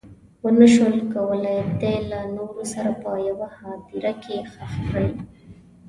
ونه شول کولی دی له نورو سره په یوه هدیره کې ښخ کړي.